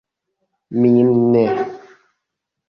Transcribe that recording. Min ne.